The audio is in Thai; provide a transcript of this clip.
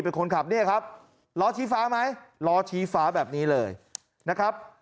เป็นคนขับเนี่ยครับล้อชี้ฟ้าไหมล้อชี้ฟ้าแบบนี้เลยนะครับ